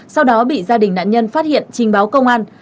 sau đó bị gia đình nạn nhân phát hiện trình báo công an